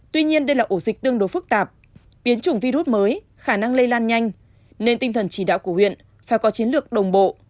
tuy nhiên đây là ổ dịch tương đối phức tạp biến chủng virus mới khả năng lây lan nhanh nên tinh thần chỉ đạo của huyện phải có chiến lược đồng bộ